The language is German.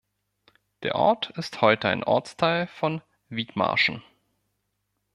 Der Ort ist heute ein Ortsteil von Wietmarschen.